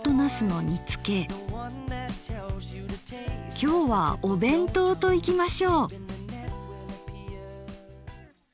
きょうはお弁当といきましょう。